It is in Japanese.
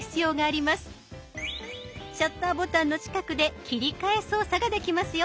シャッターボタンの近くで切り替え操作ができますよ。